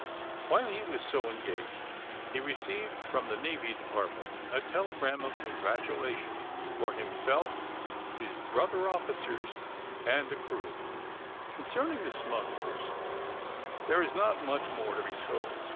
"\Vhile he was so engaged he received, from the Navy Department, a telegram of congratula tion for himself, his brother officers and the crew. AND THE SMUGGLEES 245 Concerning the smugglers, there is not much more to be told.